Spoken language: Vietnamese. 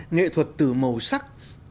nghệ thuật từ màu sắc